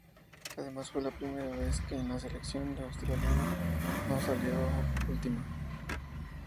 Además fue la primera vez en que la selección australiana no salió última.